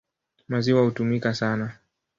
Maziwa hutumika sana.